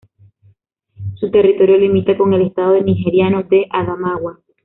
Su territorio limita con el estado nigeriano de Adamawa.